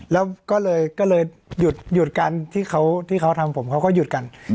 แล้วก็เลยก็เลยหยุดกันที่เขาที่เขาทำผมเขาก็หยุดกัน